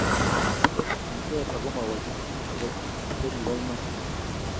kiteeb ako mawolchi chi akot ko kibo iman